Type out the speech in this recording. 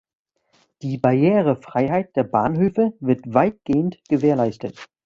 Die Barrierefreiheit der Bahnhöfe wird weitgehend gewährleistet.